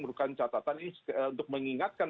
diperlukan catatan ini untuk mengingatkan